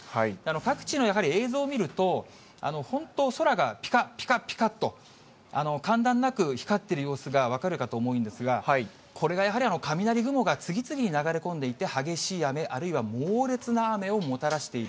各地のやはり映像を見ると、本当、空がぴかっぴかっぴかっと、間断なく光っている様子が分かるかと思うんですが、これがやはり雷雲が次々に流れ込んでいて、激しい雨、あるいは猛烈な雨をもたらしている。